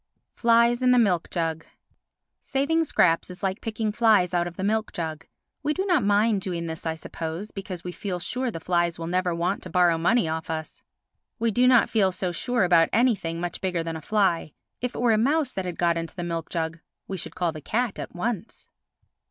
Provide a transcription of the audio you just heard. Flies in the Milk Jug Saving scraps is like picking flies out of the milk jug. We do not mind doing this, I suppose, because we feel sure the flies will never want to borrow money off us. We do not feel so sure about anything much bigger than a fly. If it were a mouse that had got into the milk jug, we should call the cat at once.